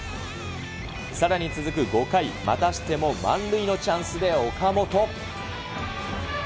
さらに、続く５回、またしても満塁のチャンスで、岡本。